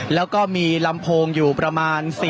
แล้วก็มีลำโพงอยู่ประมาณ